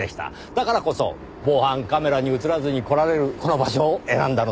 だからこそ防犯カメラに映らずに来られるこの場所を選んだのでしょう。